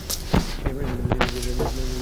এমন করো কেন?